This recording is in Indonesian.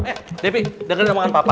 eh debbie denger namakan papa